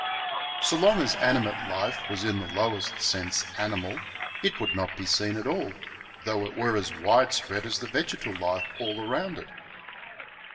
So long as animate life was in the lowest sense ani mal, it would not be seen at all, though it were as wide spread as the vegetal life all about it.